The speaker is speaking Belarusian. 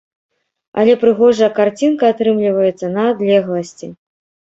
Але прыгожая карцінка атрымліваецца на адлегласці.